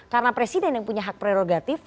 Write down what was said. karena presiden yang punya hak prerogatif